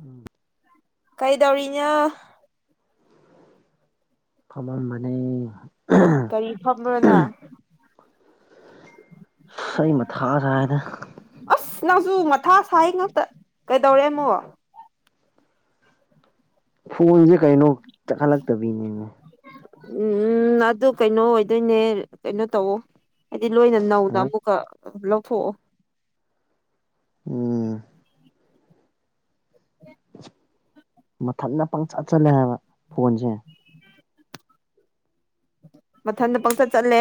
ꯎꯝ ꯀꯩꯗꯧꯔꯤꯅꯣ ꯐꯝꯃꯝꯕꯅꯦ ꯀꯔꯤ ꯐꯝꯕ꯭ꯔꯣ ꯅꯪ ꯑꯩ ꯃꯊꯥ ꯁꯥꯏꯗ ꯑꯁ ꯅꯪꯁꯨ ꯃꯊꯥ ꯁꯥꯏꯌꯦ ꯉꯥꯛꯇ ꯀꯩꯗꯧꯔꯦ ꯃꯨꯛ ꯐꯨꯔꯗꯤ ꯀꯩꯅꯣ ꯆꯠꯈꯠꯂꯛꯇꯕꯩꯅꯤꯅꯦ ꯎꯝ ꯑꯗꯨ ꯀꯩꯅꯣ ꯑꯣꯏꯗꯣꯏꯅꯦ ꯀꯩꯅꯣ ꯇꯧꯑꯣ ꯍꯥꯏꯗꯤ ꯂꯣꯏꯅ ꯅꯧꯅ ꯍꯥ ꯑꯃꯨꯛ ꯀ ꯂꯧꯊꯣꯛꯑꯣ ꯎꯝ ꯃꯊꯟꯗ ꯄꯪꯆꯠ ꯆꯠꯂꯦ ꯍꯥꯏꯕ ꯐꯣꯟꯁꯦ ꯃꯊꯟꯗ ꯄꯪꯆꯠ ꯆꯠꯂꯦ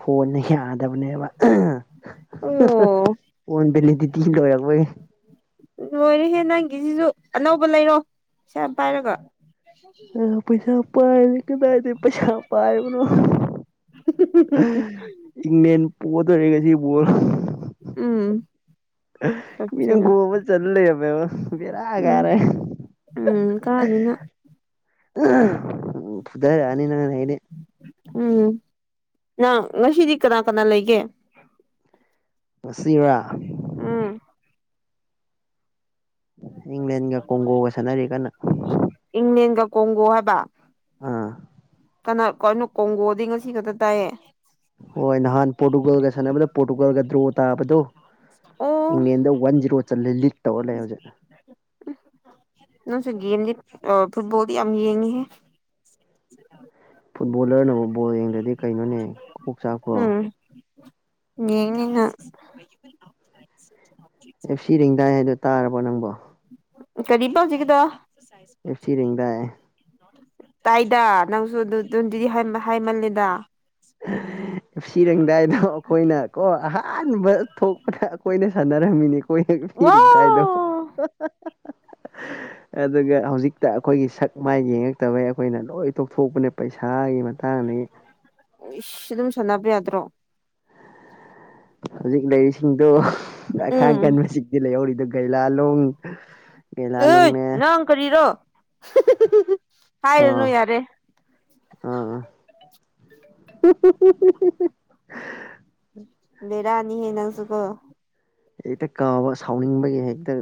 ꯐꯣꯟꯅ ꯌꯥꯗꯕꯅꯦꯕ ꯑꯣ [unintelligible] [unintelligible] ꯐꯣꯟ ꯚꯦꯜꯂꯤꯗꯤꯗꯤ ꯂꯣꯏꯔꯕꯩ ꯂꯣꯏꯔꯦꯍꯦ ꯅꯪꯒꯤꯖꯤꯁꯨ ꯑꯅꯧꯕ ꯂꯩꯔꯣ ꯄꯩꯁꯥ ꯌꯥꯝ ꯄꯥꯏꯔꯒ ꯑ ꯄꯩꯁꯥꯄꯥꯏꯔꯦ ꯀꯗꯥꯏꯗꯩꯩ ꯄꯩꯁꯥ ꯄꯥꯏꯕꯅꯣ [unintelligible] ꯏꯪꯂꯦꯟ ꯄꯣꯗꯣꯔꯦ ꯉꯁꯤ ꯕꯣꯜ ꯎꯝ ꯃꯤꯅ ꯆꯠꯁꯤꯔ ꯒꯣꯜ ꯑꯃꯥ ꯆꯜ ꯂꯩꯔꯝꯃꯦꯕ ꯕꯦꯔꯥ ꯎꯝ ꯀꯥꯔꯦ ꯎꯝ ꯀꯥꯅꯤ ꯅꯪ [unintelligible] ꯎꯝ ꯐꯨꯙꯔꯛꯑꯅꯤ ꯅꯪ ꯑꯗꯩꯩꯗꯤ ꯎꯝ ꯅꯪ ꯉꯁꯤꯗꯤ ꯀꯅꯥ ꯀꯅꯥ ꯂꯩꯒꯦ ꯉꯁꯤꯔꯥ ꯎꯝ ꯏꯪꯂꯦꯟꯒ ꯀꯣꯡꯒꯣꯒ ꯁꯥꯟꯅꯔꯤ ꯀꯟꯅ ꯏꯪꯪꯂꯦꯟꯒ ꯀꯣꯡꯒꯣ ꯍꯥꯏꯕ ꯑꯥ ꯀꯅꯥ ꯀꯩꯅꯣ ꯀꯣꯡꯒꯣꯗꯤ ꯉꯁꯤ ꯈꯛꯇ ꯇꯥꯏꯌꯦ ꯍꯣꯏ ꯅꯍꯥꯟ ꯄꯣꯔꯇꯨꯒꯜꯒ ꯁꯥꯟꯅꯕꯗ ꯄꯣꯔꯇꯨꯒꯜꯒ ꯗ꯭ꯔꯣ ꯇꯥꯕꯗꯣ ꯑꯣ ꯏꯪꯂꯦꯟꯗ ꯋꯥꯟ ꯖꯤꯔꯣ ꯆꯂꯦ ꯂꯤꯠ ꯇꯧꯔ ꯂꯩ ꯍꯧꯖꯤꯛ ꯅꯪꯁꯨ ꯒꯦꯝꯗꯤ ꯐꯨꯠꯕꯣꯜꯗꯤ ꯌꯥꯝ ꯌꯦꯡꯉ ꯦꯍꯦ ꯐꯨꯠꯕꯣꯂꯔꯅꯕꯨ ꯕꯣꯜ ꯌꯦꯡꯗ꯭ꯔꯗꯤ ꯀꯩꯅꯣꯅꯦ ꯀꯣꯛ ꯆꯥꯛꯄ꯭ꯔꯣ ꯌꯦꯡꯅꯤꯉꯥꯏ [unintelligible] ꯑꯦꯞ ꯁꯤꯔꯦꯡꯗꯥꯏ ꯍꯥꯏꯗꯣ ꯇꯥꯔꯕꯣ ꯅꯪꯕꯣ ꯀꯔꯤꯕ ꯍꯧꯖꯤꯛꯀꯤꯗꯀ [unintelligible] ꯇꯥꯏꯗ ꯅꯪꯁꯨ ꯑꯗꯨꯗꯤ ꯍꯥꯏꯃꯜꯂꯦꯗ [unintelligible] [unintelligible] ꯋꯥ [unintelligible] [unintelligible] ꯑꯗꯨꯒ ꯍꯧꯖꯤꯛꯇ ꯑꯩꯈꯣꯏꯒꯤ ꯁꯛ ꯃꯥꯏ ꯌꯦꯡꯉꯛꯇꯕꯩ ꯑꯩꯈꯣꯏꯅ ꯂꯣꯏ ꯇꯣꯛꯊꯣꯛꯄꯅꯦ ꯄꯩꯁꯥꯒꯤ ꯃꯇꯥꯡꯅꯤ ꯏꯁ ꯑꯗꯨꯝ ꯁꯥꯟꯅꯕ ꯌꯥꯗ꯭ꯔꯣ ꯍꯧꯖꯤꯛ ꯂꯩꯔꯤꯁꯤꯡꯗꯣ ꯑꯈꯥꯡ ꯎꯝ ꯀꯟꯕꯁꯤꯡꯗꯤ ꯂꯩꯍꯧꯔꯤꯗꯣ ꯒꯩꯂꯥꯂꯣꯡ ꯎ ꯒꯩꯂꯥꯂꯣꯡꯅꯦ ꯅꯪ ꯀꯔꯤꯔꯣ [unintelligible] ꯑꯥ ꯍꯥꯏꯔꯨꯅꯨ ꯌꯥꯔꯦ ꯑꯥ ꯑꯥ [unintelligible] [unintelligible] ꯕꯔꯥꯅꯤꯍꯦ ꯅꯪꯁꯨꯀꯣ ꯍꯦꯛꯇ ꯀꯥꯎꯕ ꯁꯥꯎꯅꯤꯡꯕꯒꯤ ꯍꯦꯛꯇ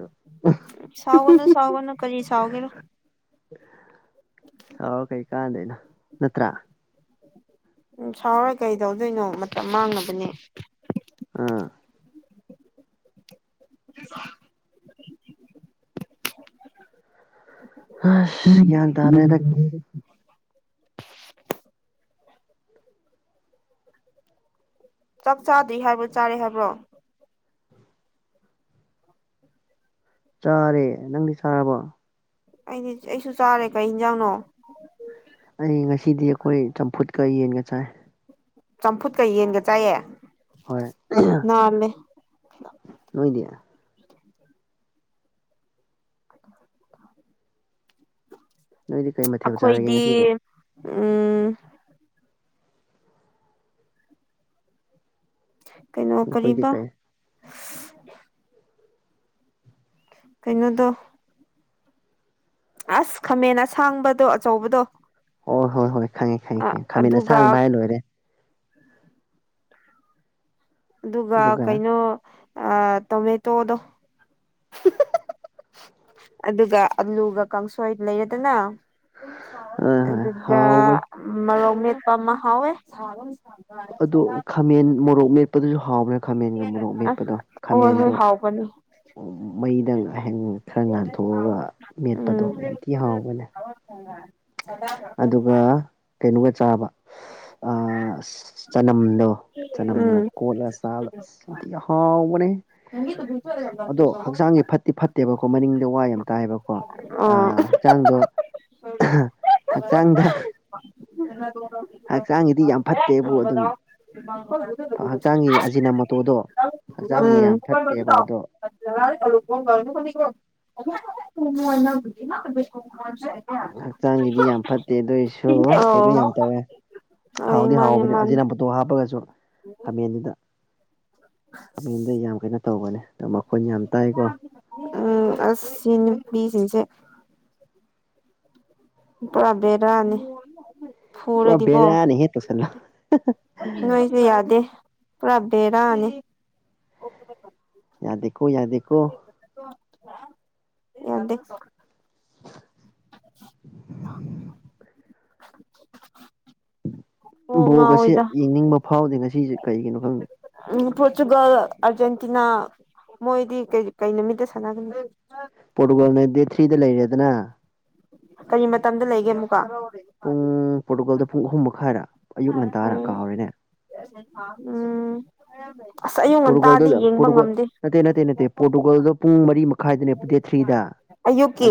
ꯁꯥꯎꯒꯅꯨ ꯁꯥꯎꯒꯅꯨ ꯀꯔꯤ ꯁꯥꯎꯒꯦꯔꯣ ꯁꯥꯔ ꯀꯩ ꯀꯥꯟꯗꯣꯏꯅꯣ ꯅꯠꯇ꯭ꯔꯥ ꯎꯝ ꯁꯥꯎꯔ ꯀꯩ ꯇꯧꯗꯣꯏꯅꯣ ꯃꯇꯝ ꯃꯥꯡꯅꯕꯅꯦ ꯑꯥ [unintelligible] ꯑꯁ ꯒ꯭ꯌꯥꯟ ꯇꯥꯗ꯭ꯔꯦꯗ [unintelligible] ꯆꯥꯛ ꯆꯥꯗ꯭ꯔꯤ ꯍꯥꯏꯕ꯭ꯔꯣ ꯆꯥꯔꯦ ꯍꯥꯏꯕ꯭ꯔꯣ ꯆꯥꯔꯦ ꯅꯪꯗꯤ ꯆꯥꯔꯕꯣ ꯑꯩꯗꯤ ꯑꯩꯁꯨ ꯆꯥꯔꯦ ꯀꯔꯤ ꯌꯦꯟꯖꯥꯡꯅꯣ ꯑꯩ ꯉꯁꯤꯗꯤ ꯑꯩꯈꯣꯏ ꯆꯝꯐꯨꯠꯀ ꯌꯦꯟꯒ ꯆꯥꯏ ꯆꯝꯐꯨꯠꯀ ꯌꯦꯟꯒ ꯆꯥꯏꯌꯦ ꯍꯣꯏ ꯅꯥꯜꯂꯦ ꯅꯣꯏꯗꯤ [inaudible] ꯅꯣꯏꯗꯤ ꯀꯩ ꯃꯊꯦꯜ ꯆꯥꯔꯒꯦ ꯑꯩꯈꯣꯏꯗꯤ ꯉꯁꯤꯕꯣ ꯎꯝ ꯀꯩꯅꯣ ꯑꯩꯈꯣꯏꯗꯤ ꯀꯔꯤꯕꯥ ꯀꯩ ꯀꯩꯅꯣꯗꯣ ꯑꯁ ꯈꯥꯃꯦꯟ ꯑꯁꯥꯡꯕꯗꯣ ꯑꯆꯧꯕꯗꯣ ꯍꯣꯏ ꯍꯣꯏ ꯍꯣꯏ ꯈꯪꯉꯦ ꯈꯪꯉꯦ ꯈꯪꯉꯦ ꯈꯥꯃꯟ ꯑꯗꯨꯒ ꯑꯁꯥꯡꯕ ꯍꯥꯏꯔ ꯂꯣꯏꯔꯦ ꯑꯗꯨꯒ ꯀꯩꯅꯣ ꯇꯣꯃꯦꯇꯣꯗꯣ [unintelligible] ꯑꯗꯨꯒ ꯑꯂꯨꯒ ꯀꯥꯡꯁꯣꯏ ꯂꯩꯔꯦꯗꯅ ꯍꯣꯏ [unintelligible] ꯍꯣꯏ ꯑꯗꯨꯒꯥ ꯍꯥꯎꯕꯅꯤ ꯃꯨꯔꯧꯛ ꯃꯦꯠꯄ ꯑꯃ ꯍꯥꯎꯋꯦ ꯑꯣ ꯈꯥꯃꯦꯟ ꯃꯣꯔꯣꯛ ꯃꯦꯠꯄꯗꯨꯁꯨ ꯍꯥꯎꯕ꯭ꯔꯥ ꯈꯥꯃꯦꯟꯒ ꯃꯣꯔꯣꯛ ꯑꯁ ꯃꯦꯠꯄꯗꯣ ꯍꯣꯏ ꯈꯥꯃꯦꯟꯗꯣ ꯍꯣꯏ ꯍꯥꯎꯕꯅꯤ ꯃꯩꯗ ꯉꯥꯏꯍ ꯈꯔ ꯉꯥꯟꯊꯣꯛꯑꯒ ꯃꯦꯠꯄꯗꯣ ꯎꯝ ꯌꯥꯝ ꯊꯤ ꯍꯥꯎꯕꯅꯦ [unintelligible] ꯑꯗꯨꯒ ꯀꯩꯅꯣꯒ ꯆꯥꯕ ꯆꯅꯝꯗꯣ ꯆꯅꯝꯒ ꯎꯝ ꯀꯣꯜꯂ ꯆꯥ ꯁꯝꯇꯤ ꯍꯥꯎꯕꯅꯦ ꯑꯗꯣ ꯍꯛꯆꯥꯡꯁ ꯐꯠꯇꯤ ꯐꯠꯇꯦꯕꯀꯣ ꯃꯅꯤꯡꯗ ꯋꯥ ꯌꯥꯝ ꯇꯥꯏꯕꯣ ꯑ [unintelligible] ꯍꯛꯆꯥꯡꯗꯣ ꯍꯛꯆꯥꯡꯗ ꯍꯛꯆꯥꯡꯒꯤꯗꯤ ꯌꯥꯝ ꯐꯠꯇꯦꯕꯨ ꯑꯗꯨꯝ [unintelligible] ꯍꯛꯆꯥꯡꯒꯤ ꯑꯖꯤꯅꯥ ꯃꯇꯣꯇꯣꯗꯣ ꯍꯛꯆꯥꯡꯒꯤ ꯎꯝ ꯌꯥꯝ ꯐꯠꯇꯦꯕ ꯑꯗꯣ [unintelligible] [unintelligible] ꯍꯛꯆꯥꯡꯒꯤꯗꯤ ꯌꯥꯝ ꯐꯠꯇꯦ ꯑꯗꯨꯏꯁꯨ ꯑꯩ ꯑꯣ ꯌꯥꯝ ꯇꯧꯋꯦ ꯍꯣꯏ ꯍꯥꯎꯗꯤ ꯃꯥꯅꯦ ꯍꯥꯎꯕꯅꯤ ꯃꯥꯅꯦ ꯑꯖꯤꯅ ꯐꯣꯇꯣ ꯍꯥꯞꯄꯒꯁꯨ ꯀꯃꯦꯟꯗꯨꯗ ꯈꯃꯡꯗ ꯌꯥꯝ ꯀꯩꯅꯟꯅ ꯇꯧꯒꯅꯤ ꯎꯝ ꯑꯅꯤꯕꯤꯁꯤꯡꯁꯦ ꯄꯨ꯭ꯔꯥꯕꯦꯔꯥꯅꯤ ꯄꯨꯔꯥ ꯦꯔꯅꯤꯍꯦ ꯇ ꯆꯂꯣ ꯅꯣꯏꯁꯨ ꯌꯥꯗꯦ ꯄꯨꯔꯥ ꯚꯦꯔꯥ ꯅꯦ ꯌꯥꯗꯀꯣ ꯌꯥꯗꯀꯣ ꯌꯥꯗꯤ [unintelligible] ꯑꯣ ꯕꯣꯒ ꯑꯁꯦ ꯉꯥꯎꯋꯦꯗ ꯌꯦꯡꯅꯤꯡꯕ ꯐꯥꯎꯗꯦ ꯉꯁꯤꯁꯦ ꯀꯩꯒꯤꯅꯣ ꯈꯪꯗꯦ ꯎꯝ ꯄꯣꯔꯇꯨꯒꯜ ꯑꯥꯔꯖꯦꯟꯇꯤꯅꯥ ꯃꯣꯏꯗꯤ ꯀ ꯀ ꯅꯨꯣꯃꯤꯠꯇ ꯁꯥꯟꯅꯒꯅꯤ ꯄꯣꯔꯇꯨꯒꯜꯅ ꯗꯦꯠ ꯊ꯭ꯔꯤꯗ ꯂꯩꯔꯦꯗꯅ ꯀꯔꯤ ꯃꯇꯝꯗ ꯂꯩꯒꯦ ꯑꯃꯨꯛꯀ ꯎꯝ ꯄꯣꯔꯇꯨꯒꯥꯜꯗꯣ ꯄꯨꯡ ꯑꯍꯨꯝ ꯃꯈꯥꯏꯔꯥ ꯎꯝ ꯎꯝ ꯑꯁ ꯑꯌꯨꯛ ꯉꯟꯇꯥꯗꯤ ꯌꯦꯡꯕ ꯄꯣꯔꯇꯨꯒꯜꯗꯨꯇꯨꯜ ꯉꯝꯗꯦ ꯅꯠꯇꯦ ꯅꯠꯇꯦ ꯅꯠꯇꯦ ꯄꯣꯔꯇꯨꯒꯜꯗꯣ ꯄꯨꯡ ꯃꯔꯤ ꯃꯈꯥꯏꯗꯅꯦ ꯗꯦꯠ ꯊ꯭ꯔꯤꯗ ꯑꯌꯨꯛꯀꯤ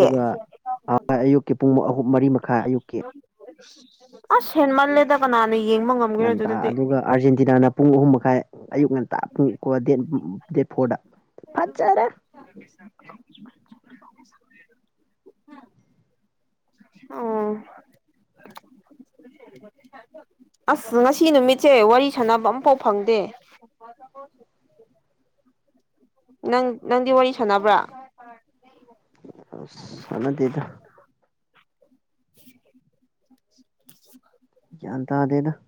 ꯑ ꯑꯌꯨꯛꯀꯤ ꯄꯨꯡ ꯑꯍꯨꯝ ꯃꯔꯤ ꯃꯈꯥꯏ ꯑꯌꯨꯛꯀꯤ ꯑ ꯁꯦꯟꯃꯜꯂꯦꯗꯕꯅꯥꯅ ꯌꯦꯡꯕꯉ ꯉꯟꯇꯥ ꯑꯗꯨꯒ ꯑꯥꯔꯖꯦꯟꯇꯤꯅꯥꯅ ꯄꯨꯡ ꯑꯍꯨꯝ ꯃꯈꯥꯏ ꯑꯌꯨꯛ ꯉꯟꯇꯥ ꯄꯨꯡ ꯗꯦꯠ ꯗꯦꯠ ꯐꯣꯔꯗ ꯐꯠꯖꯔꯦ [unintelligible] ꯑꯥ ꯑꯁ ꯉꯁꯤ ꯅꯨꯃꯤꯠꯁꯦ ꯋꯥꯔꯤ ꯁꯥꯟꯅꯕ ꯑꯃꯐꯥꯎ ꯐꯪꯗꯦ ꯅꯪ ꯅꯪꯗꯤ ꯋꯥꯔꯤ ꯁꯥꯟꯅꯕ꯭ꯔꯥ ꯑ ꯁꯅꯗꯗ ꯒꯌ꯭ꯥꯟ ꯇꯥꯗꯦꯗꯥ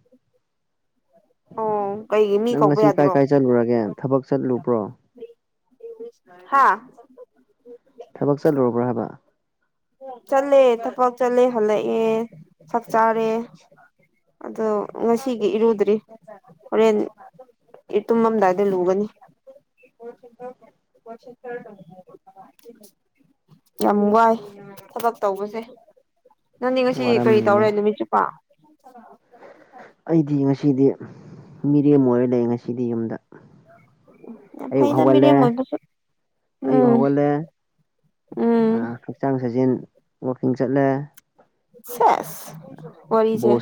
ꯑꯣ ꯀꯩꯒꯤ ꯃꯤ ꯅꯪ ꯀꯧꯕ ꯉꯁꯤ ꯀꯥꯏ ꯌꯥꯗ꯭ꯔꯣ ꯀꯥꯏ ꯆꯠꯂꯨꯔꯒꯦ ꯊꯕꯛ ꯆꯠꯂꯨꯕ꯭ꯔꯣ ꯍꯥꯥ ꯊꯕꯛ ꯆꯠꯂꯨꯔꯕ꯭ꯔꯥ ꯍꯥꯏꯕ ꯆꯠꯂꯦ ꯊꯕꯥꯛ ꯆꯠꯂꯦ ꯍꯜꯂꯛꯑꯦ ꯆꯥꯛ ꯆꯥꯔꯦ ꯑꯗꯣ ꯉꯁꯤꯒꯤ ꯏꯔꯨꯗ꯭ꯔꯤ ꯍꯣꯔꯦꯟ ꯏ ꯇꯨꯝꯃꯝ ꯗꯥꯏꯗ ꯂꯨꯒꯅꯤ ꯌꯥꯝ ꯋꯥꯏ ꯊꯕꯛ ꯇꯧꯕꯁꯦ ꯅꯪꯗꯤ ꯉꯁꯤ ꯀꯔꯤ ꯋꯥꯔꯝꯅꯤꯅꯦ ꯇꯧꯔꯦ ꯅꯨꯃꯤꯠ ꯆꯨꯞꯄ [unintelligible] ꯑꯩꯗꯤ ꯉꯁꯤꯗꯤ ꯃꯤꯔꯦꯝ ꯑꯣꯏꯔ ꯂꯩ ꯉꯁꯤꯗꯤ ꯌꯨꯝꯗ ꯑꯌꯨꯛ ꯐꯥꯏꯗ ꯍꯧꯒꯠꯂꯦ ꯃꯤꯔꯦꯝ ꯑꯣꯏꯕꯁꯨ ꯑꯌꯨꯛ ꯎꯝ ꯍꯧꯒꯠꯂꯦ ꯎꯝ ꯍꯛꯆꯥꯡ ꯁꯥꯖꯦꯜ ꯋꯥꯀꯤꯡ ꯆꯠꯂꯦ ꯁꯦꯁ ꯋꯥꯔꯤꯁꯦ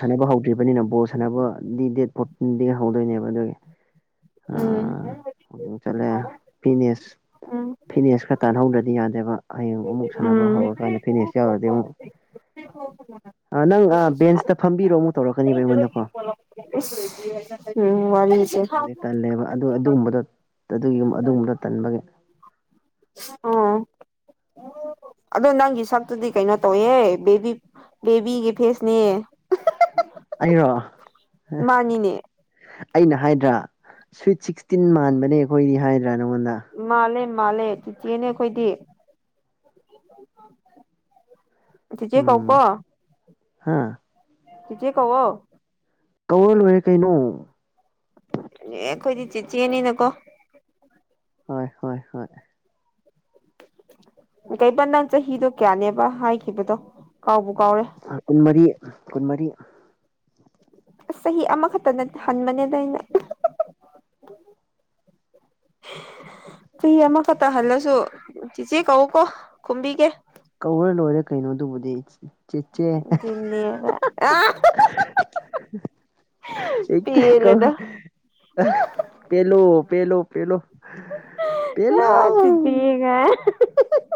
ꯄꯤꯕꯅꯤꯅ ꯕꯣꯜ ꯁꯥꯟꯅꯕꯗꯤ ꯗꯦꯠ ꯐꯣꯔꯇꯤꯟꯗꯒꯤ ꯍꯧꯗꯣꯏꯅꯦꯕ ꯑꯗꯨꯒꯤ ꯎꯝ ꯑꯗꯨꯝ ꯆꯠꯂꯦ ꯐꯤꯠꯅꯦꯁ ꯎꯝ ꯐꯤꯠꯅꯦꯁ ꯈꯔ ꯇꯥꯟꯅꯍꯧꯗ꯭ꯔꯗꯤ ꯌꯥꯗꯦꯕ ꯍꯌꯦꯡ ꯑꯃꯨꯛ ꯁꯥꯟꯅꯕ ꯎꯝ ꯍꯧꯔꯀꯥꯟꯗ ꯐꯤꯠꯅꯦꯁ ꯌꯥꯎꯔꯗꯤ ꯑꯃꯨꯛ ꯍꯣ ꯍꯣꯏ ꯅꯪ ꯕꯦꯟꯁꯇ ꯐꯝꯕꯤꯔꯣ ꯑꯃꯨꯛ ꯇꯧꯔꯛꯀꯅꯦꯕ ꯑꯩꯉꯣꯟꯗꯀꯣ ꯏꯁ ꯋꯥꯔꯤꯁꯦ ꯑꯗꯩ ꯇꯜꯂꯦꯕ ꯑꯗꯨ ꯑꯗꯨꯒꯨꯝꯕꯗ ꯑꯗꯨꯒꯤ ꯑꯗꯨꯒꯨꯝꯕꯗ ꯇꯟꯕꯒꯤ ꯎꯝ ꯑꯗꯣ ꯅꯪꯒꯤ ꯁꯛꯇꯨꯗꯤ ꯀꯩꯅꯣ ꯇꯧꯋꯦꯍꯦ ꯕꯦꯕꯤ ꯕꯦꯕꯤꯒꯤ ꯐꯦꯁꯅꯦ ꯑꯩꯔꯣ ꯃꯥꯅꯤꯅꯦ ꯑꯩꯅ ꯍꯥꯏꯗ꯭ꯔꯥ ꯁ꯭ꯋꯤꯠ ꯁꯤꯛꯁꯇꯤꯟ ꯃꯥꯟꯕꯅꯦ ꯑꯩꯈꯣꯏꯗꯤ ꯍꯥꯏꯗ꯭ꯔꯥ ꯅꯪꯉꯣꯟꯗ ꯃꯥꯜꯂꯦ ꯃꯥꯜꯂꯦ ꯆꯤꯆꯦꯅꯦ ꯑꯩꯈꯣꯏꯗꯤ ꯆꯤꯆꯦ ꯀꯧ ꯀꯣ ꯍꯥꯥ ꯆꯤꯆꯦ ꯀꯧꯑꯣ ꯀꯧꯔ ꯂꯣꯏꯔꯦ ꯀꯩꯅꯣ ꯈꯣꯏꯗꯤ ꯆꯤꯆꯦꯅꯤꯅꯀꯣ ꯍꯣꯏ ꯍꯣꯏ ꯍꯣꯏ ꯀꯩꯕ ꯅꯪ ꯆꯍꯤꯗꯣ ꯀꯌꯥꯅꯦꯕ ꯍꯥꯏꯈꯤꯕꯗꯣ ꯀꯥꯎꯕꯨ ꯀꯥꯎꯔꯦ ꯀꯨꯟꯃꯔꯤ ꯀꯨꯟꯃꯔꯤ ꯑꯁ ꯆꯍꯤ ꯑꯃꯈꯛꯇ ꯍꯟꯕꯅꯦꯗ ꯑꯩꯅ [unintelligible] ꯆꯍꯤ ꯑꯃꯈꯛꯇ ꯍꯜꯂꯁꯨ ꯆꯤꯆꯦ ꯀꯧꯑꯣꯀꯣ ꯈꯨꯝꯕꯤꯒꯦ ꯀꯧꯔ ꯂꯣꯏꯔꯦ ꯀꯩꯅꯣ ꯑꯗꯨꯕꯨꯗꯤ ꯆꯦꯆꯦ ꯑꯗꯨꯅꯤꯕ ꯑ ꯀꯣ ꯄꯦꯜꯂꯦꯗ ꯄꯦꯂꯣ ꯄꯦꯂꯣ ꯄꯦꯂꯣ ꯆꯤꯆꯦ ꯀꯥꯏꯅ [unintelligible]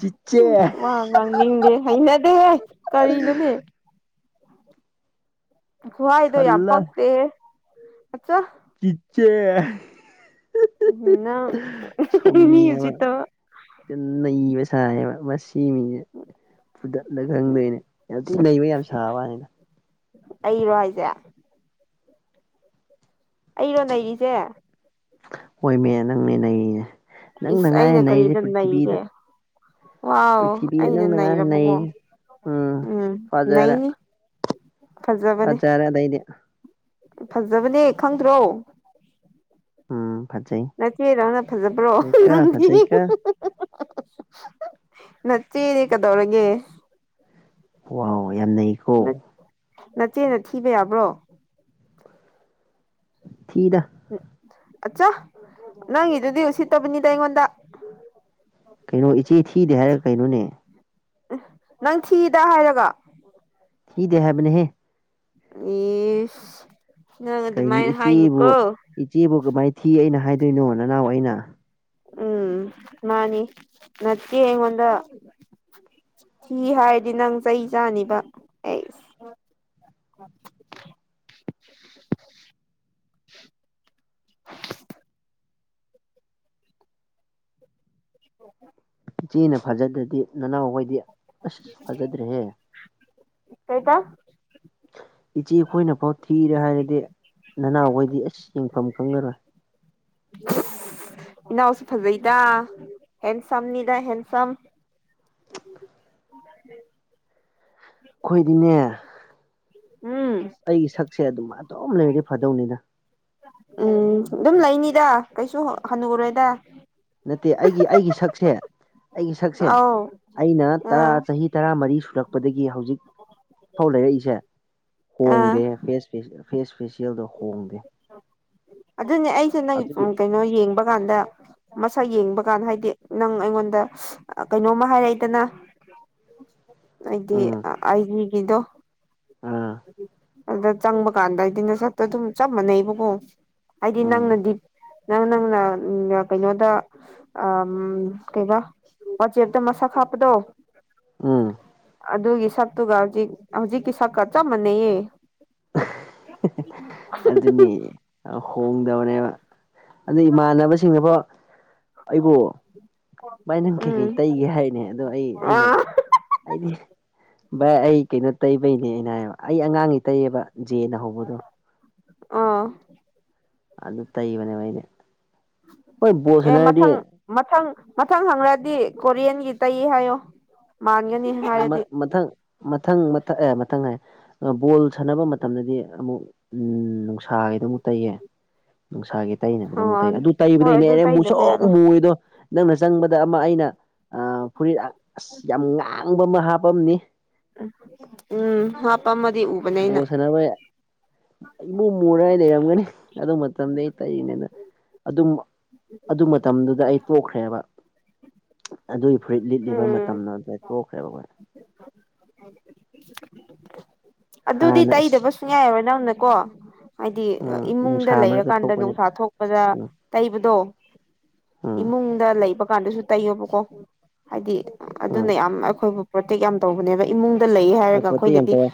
ꯆꯤꯆꯦ ꯎꯝ ꯋꯥ ꯉꯥꯡꯅꯤꯡꯗꯦ ꯍꯩꯅꯗꯦꯍꯦ ꯀꯔꯤꯅꯣꯅꯦ ꯈꯨꯍꯥꯏꯗꯣ ꯌꯥꯝ ꯁꯜꯂꯥ ꯄꯛꯇꯦ ꯑꯠꯆꯥ ꯆꯤꯆꯦ ꯅꯪ ꯃꯤ ꯎꯁꯤꯠꯇꯕ ꯌꯥꯝꯅ ꯅꯩꯕ ꯁꯥꯏꯌꯦꯕ ꯃꯁꯤ ꯃꯤꯁꯦ ꯐꯨꯗꯠꯂ ꯈꯪꯗꯣꯏꯅꯦ ꯌꯥꯝ ꯊꯤ ꯅꯩꯕ ꯌꯥꯝ ꯁꯥꯕ ꯋꯥꯅꯤꯗ ꯑꯩꯔꯣ ꯍꯥꯏꯁꯦ ꯑꯩꯔꯣ ꯅꯩꯔꯤꯁꯦ ꯍꯣꯏꯃꯦ ꯅꯪꯅꯦ ꯅꯩꯔꯤꯁꯦ꯫ ꯅꯪꯅ ꯏꯁ ꯉꯥꯏꯔꯦ ꯑꯩꯅ ꯅꯩꯔꯤꯁꯦ ꯀꯔꯤꯗ ꯅꯩꯒꯦ ꯄ꯭ꯔꯤꯊꯤꯕꯤꯗ ꯋꯥꯎ ꯄ꯭ꯔꯤꯊꯤꯕꯤꯗ ꯑꯩꯅ ꯅꯪꯅ ꯉꯥꯏꯔꯦ ꯅꯩꯔꯕꯀꯣ ꯅꯩꯔꯤꯁꯦ ꯎꯝ ꯅꯩꯅꯤ [unintelligible] ꯐꯖꯕꯅꯦ ꯐꯖꯔꯦ ꯑꯗꯩꯗꯤ ꯐꯖꯕꯅꯦ ꯈꯪꯗ꯭ꯔꯣ ꯎꯝ ꯐꯖꯩ ꯅꯆꯦꯗꯧꯅ ꯐꯖꯕꯔꯣ ꯐꯖꯩꯀ ꯅꯪꯗꯤ ꯐꯖꯩꯀ ꯅꯆꯦꯅꯦ ꯀꯩꯗꯧꯔꯒꯦ ꯋꯥꯎ ꯌꯥꯝꯅꯩ ꯅꯆꯦꯅ ꯊꯤꯕ ꯌꯥꯕ꯭ꯔꯣ ꯊꯤꯗ ꯑꯠꯆꯥ ꯅꯪꯒꯤꯗꯨꯗꯤ ꯎꯁꯤꯠꯇꯕꯅꯤꯗ ꯑꯩꯉꯣꯟꯗ ꯀꯩꯅꯣ ꯏꯆꯦ ꯊꯤꯗꯦ ꯍꯥꯏꯔꯒ ꯀꯩꯅꯣꯅꯦ ꯅꯪ ꯊꯤꯗ ꯍꯥꯏꯔꯒ ꯊꯤꯗꯦ ꯍꯥꯏꯕꯅꯦꯍꯦ ꯏꯁ ꯅꯪ ꯀꯩꯅꯣ ꯑꯗꯨꯃꯥꯏ ꯍꯥꯏꯅꯨꯀꯣ ꯏꯆꯦꯕꯨ ꯏꯆꯦꯕꯨ ꯀꯃꯥꯏꯅ ꯊꯤ ꯑꯩꯅ ꯍꯥꯏꯗꯣꯏꯅꯣ ꯅꯅꯥꯎ ꯑꯩꯅ ꯎꯝ ꯃꯥꯅꯤ ꯅꯠꯆꯦ ꯑꯩꯉꯣꯟꯗ ꯊꯤ ꯍꯥꯏꯔꯗꯤ ꯅꯪ ꯆꯩ ꯆꯥꯅꯤꯕ ꯑꯩꯁ [inaudible] ꯏꯆꯦꯅ ꯐꯖꯗ꯭ꯔꯗꯤ ꯅꯅꯥꯎꯈꯣꯏꯗꯤ ꯑꯁ ꯐꯖꯗ꯭ꯔꯦꯍꯦ ꯀꯩꯕꯥ ꯏꯆꯦ ꯈꯣꯏꯅꯐꯥꯎ ꯊꯤꯔꯦ ꯍꯥꯏꯔꯗꯤ ꯅꯅꯥꯎ ꯍꯣꯏꯗꯤ ꯑꯁ ꯌꯦꯡꯐꯝ ꯈꯪꯉꯔꯣꯏ ꯏꯅꯥꯎꯁꯨ ꯐꯖꯩꯗ ꯍꯦꯟꯁꯝꯅꯤꯗ ꯍꯦꯟꯁꯝ ꯈꯣꯏꯗꯤꯅꯦ ꯎꯝ ꯑꯩꯒꯤ ꯁꯛꯁꯦ ꯑꯗꯨꯃꯥꯏ ꯑꯗꯨꯝ ꯂꯩꯔꯗꯤ ꯐꯗꯧꯅꯤꯗ ꯎꯝ ꯑꯗꯨꯝ ꯂꯩꯅꯤꯗ ꯀꯩꯁꯨ ꯍꯟꯅꯨꯔꯣꯏꯗ ꯅꯠꯇꯦ ꯑꯩꯒꯤ ꯑꯩꯒꯤ ꯁꯛꯁꯦ ꯑꯩꯒꯤ ꯁꯛꯁꯦ ꯑꯧ ꯑꯩꯅ ꯇꯔꯥ ꯑꯥ ꯆꯍꯤ ꯇꯔꯥꯃꯔꯤ ꯁꯨꯔꯛꯄꯗꯒꯤ ꯍꯧꯖꯤꯛ ꯐꯥꯎ ꯂꯩꯔꯛꯏꯁꯦ ꯑꯥ ꯍꯣꯡꯗꯦ ꯐꯦꯁ ꯐꯦꯁꯤꯌꯦꯜꯗꯣ ꯍꯣꯡꯗꯦ ꯑꯗꯨꯅꯦ ꯑꯩꯁꯦ ꯅꯪ ꯑꯗꯨꯒꯤ ꯀꯩꯅꯣ ꯌꯦꯡꯕ ꯀꯥꯟꯗ ꯃꯁꯛ ꯌꯦꯡꯕ ꯀꯥꯟꯗ ꯍꯥꯏꯗꯤ ꯅꯪ ꯑꯩꯉꯣꯟꯗ ꯀꯩꯅꯣꯝꯃ ꯍꯥꯏꯔꯛꯏꯗꯅ ꯑꯩꯗꯤ ꯑꯥꯏ ꯖꯤ ꯒꯤꯗꯣ ꯑ ꯑꯗ ꯆꯪꯕ ꯀꯥꯟꯗ ꯑꯩꯗꯤ ꯅꯁꯛꯇꯣ ꯑꯗꯨꯝ ꯆꯞ ꯃꯥꯟꯅꯩꯕꯀꯣ ꯍꯥꯏꯗꯤ ꯎꯝ ꯅꯪꯅꯗꯤ ꯅꯪ ꯅꯪꯅ ꯀꯩꯅꯣꯗ ꯑꯝ ꯀꯩꯕ ꯋꯥꯆꯦꯞꯇꯥ ꯃꯁꯛ ꯍꯥꯞꯄꯗꯣ ꯎꯝ ꯑꯗꯨꯒꯤ ꯁꯛꯇꯨꯒ ꯍꯧꯖꯤꯛ ꯍꯧꯖꯤꯛꯀꯤ ꯁꯛꯀ ꯆꯞ ꯃꯥꯟꯅꯩꯌꯦ ꯑꯗꯨꯅꯤ ꯍꯣꯡꯗꯕꯅꯦꯕ ꯑꯗꯨ ꯏꯃꯥꯟꯅꯕꯁꯤꯡꯅꯕꯣ ꯑꯩꯕꯨ ꯚꯥꯏ ꯅꯪꯒ ꯀꯩꯀꯩ ꯎꯝ ꯇꯩꯒꯦ ꯍꯥꯏꯔꯤꯅꯦ ꯑꯗꯣ ꯑꯩ ꯑꯩꯅ ꯑꯥ ꯑꯩꯗꯤ ꯚꯥꯏ ꯑꯩ ꯀꯩꯅꯣ ꯇꯩꯕꯩꯅꯦꯅ ꯍꯥꯏꯕ ꯑꯩ ꯑꯉꯥꯡꯒꯤ ꯇꯩꯏꯕ ꯖꯦꯅ ꯍꯧꯕꯗꯣ ꯑꯥ ꯑꯗꯨ ꯇꯩꯕꯅꯦꯕ ꯑꯩꯖꯦ ꯑꯦ ꯃꯊꯪ ꯃꯊꯪ ꯃꯊꯪ ꯍꯪꯪꯂꯛꯗꯤ ꯀꯣꯔꯤꯌꯟꯒꯤ ꯇꯩ ꯍꯥꯏꯌꯣ ꯃꯥꯟꯒꯅꯤ ꯍꯥꯏꯔꯗꯤ ꯃꯊꯪ ꯃꯊꯪ ꯃꯊꯪ ꯑꯦ ꯃꯊꯪ ꯍꯥꯏ ꯕꯣꯜ ꯁꯥꯟꯅꯕ ꯃꯇꯝꯗꯗꯤ ꯑꯃꯨꯛ ꯎꯝ ꯅꯨꯡꯁꯥꯒꯤꯗꯣ ꯃꯨꯛ ꯇꯩꯌꯦ ꯅꯨꯡꯁꯥꯒꯤ ꯇꯩꯅꯕꯗꯣ ꯑꯃꯨꯛ ꯇꯩ ꯃꯥꯟꯅꯤ ꯑꯗꯨ ꯍꯣꯏ ꯇꯩꯕꯗꯩꯅꯦ ꯑꯗꯨ ꯑꯩꯅꯥ ꯇꯩꯗꯕ ꯃꯨꯁꯨꯛ ꯌꯥꯔꯣꯏ ꯃꯨꯔꯤꯗꯣ ꯅꯪꯅ ꯆꯪꯕꯗ ꯑꯃ ꯑꯩꯅ ꯐꯨꯔꯤꯠ ꯑꯁ ꯌꯥꯝ ꯉꯥꯡꯕ ꯑꯃ ꯍꯥꯞꯄꯝꯅꯤ ꯎꯝ ꯍꯥꯄ ꯃꯗꯤ ꯎ ꯕꯣꯜ ꯁꯅꯥꯕꯒꯤ ꯏꯃꯨ ꯃꯨꯔꯒ ꯂꯩꯔꯝꯒꯅꯤ ꯑꯗꯨ ꯃꯇꯝꯗꯒꯤ ꯇꯩꯕꯥꯅꯦꯅ ꯑꯗꯨꯝ ꯑꯗꯨ ꯃꯇꯝꯗꯨꯗ ꯑꯩ ꯄꯣꯛꯈ꯭ꯔꯦꯕ ꯑꯗꯨꯒꯤ ꯐꯨꯔꯤꯠ ꯂꯤꯠꯂꯤꯕ ꯎꯝ ꯃꯇꯝꯗꯣ ꯑꯗꯨꯗꯩ ꯇꯣꯛꯈ꯭ꯔꯦꯕ ꯑꯩꯈꯣꯏ ꯑꯗꯨꯗꯤ ꯍꯥꯟꯅ ꯑꯁ ꯇꯩꯗꯕ ꯁꯨꯡꯌꯥ ꯌꯥꯔꯣꯏ ꯅꯪꯅꯀꯣ ꯍꯥꯏꯗꯤ ꯎꯝ ꯏꯃꯨꯡꯗ ꯅꯨꯡꯁꯥ ꯃꯔꯛꯇ ꯂꯩꯔꯀꯥꯟꯗ ꯊꯣꯛꯄꯅꯤ ꯅꯨꯡꯁꯥ ꯊꯣꯛꯄꯗ ꯎꯝ ꯇꯩꯕꯗꯣ ꯎꯝ ꯏꯃꯨꯡ ꯗ ꯂꯩꯕ ꯀꯥꯟꯗꯁꯨ ꯇꯩꯌꯣꯕꯀꯣ ꯍꯥꯏꯗꯤ ꯎꯝ ꯑꯗꯨꯅ ꯌꯥꯝ ꯑꯩꯈꯣꯏꯕꯨ ꯄ꯭ꯔꯣꯇꯦꯛ ꯌꯥꯝ ꯇꯧꯕꯅꯦꯕ ꯏꯃꯨꯡꯗ ꯂꯩ ꯍꯣꯏ ꯍꯥꯏꯔꯒ ꯄꯣꯠꯇꯤ ꯌꯥꯝ ꯑꯩꯈꯣꯏꯅꯗꯤ ꯇꯧꯋꯦ